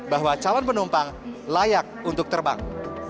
bahwa calon penumpang layak untuk terbang